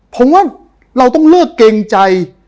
ผมว่าเราต้องเลิกเกรงใจ